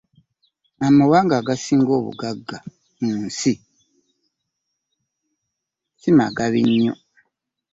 Amawanga agasinga obugagga mu nsi magabi nnyo.